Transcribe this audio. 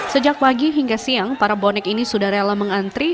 sejak pagi hingga siang para bonek ini sudah rela mengantri